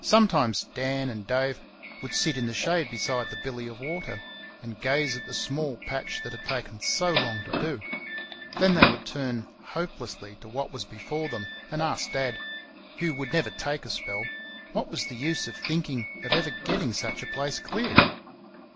Sometimes Dan and Dave would sit in the shade beside the billy of water and gaze at the small patch that had taken so long to do; then they would turn hopelessly to what was before them and ask Dad (who would never take a spell) what was the use of thinking of ever getting such a place cleared?